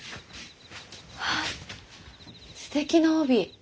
あっすてきな帯！